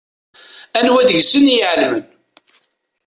Anwa deg-sen i iɛelmen?